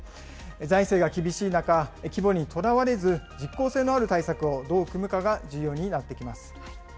財政が厳しい中、規模にとらわれず、実効性のある対策をどう組むかが重要になってきます。